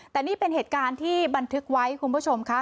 แต่นี่เป็นเหตุการณ์ที่บันทึกไว้คุณผู้ชมค่ะ